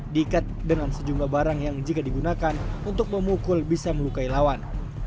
diikat dengan sejumlah barang yang jika digunakan untuk memukul bisa melukai lawan